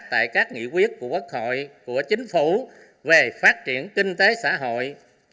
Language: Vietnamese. tại các nghị quyết của quốc hội của chính phủ về phát triển kinh tế xã hội